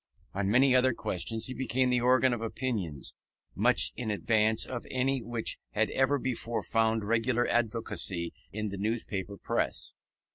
On many other questions he became the organ of opinions much in advance of any which had ever before found regular advocacy in the newspaper press.